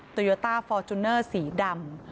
ตัวตาฟอร์จุนเนอร์สีดำ